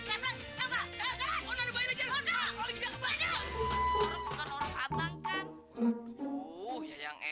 eh nih gua kasih tahu sama lu ya